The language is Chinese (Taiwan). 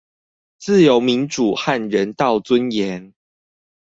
自由民主和人道尊嚴